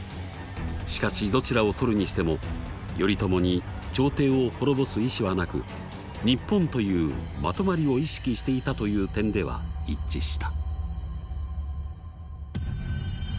しかしどちらを取るにしても頼朝に朝廷を滅ぼす意思はなく日本というまとまりを意識していたという点では一致した。